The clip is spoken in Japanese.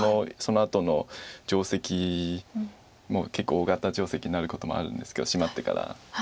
そのあとの定石も結構大型定石になることもあるんですけどシマってから。